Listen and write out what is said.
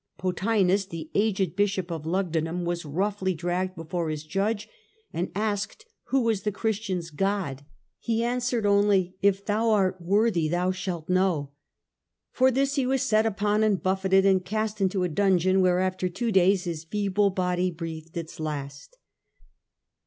Pothinus, the aged bishop of Lugdunum, was roughly dragged before his judge, and asked who was the Christians* God. He answered only, ' If thou art worthy, thou shalt know.* For this he was set upon and buffeted, and cast into a dungeon, where after two days his feeble body breathed its last.